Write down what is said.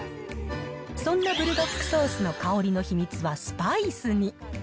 そんなブルドックソースの香りの秘密はスパイスに。